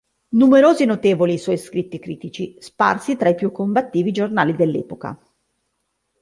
Numerosi e notevoli i suoi scritti critici, sparsi tra i più combattivi giornali dell'epoca.